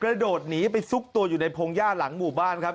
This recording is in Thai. โดดหนีไปซุกตัวอยู่ในพงหญ้าหลังหมู่บ้านครับ